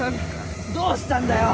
どうしたんだよ！？